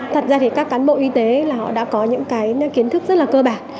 thật ra thì các cán bộ y tế là họ đã có những cái kiến thức rất là cơ bản